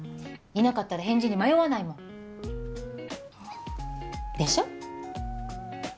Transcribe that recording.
いなかったら返事に迷わないもんあでしょ？